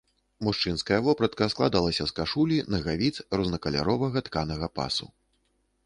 Мужчынская вопратка складалася з кашулі, нагавіц, рознакаляровага тканага пасу.